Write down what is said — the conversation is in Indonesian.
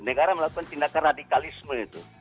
negara melakukan tindakan radikalisme itu